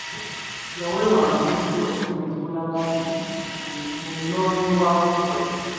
Yaweebwa amagezi okufuna ekimulaga nti munoonyi wa bubudamu.